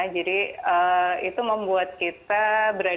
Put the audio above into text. jadi itu membuat kita berada